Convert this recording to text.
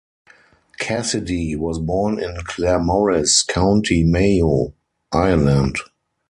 Cassidy was born in Claremorris, County Mayo, Ireland.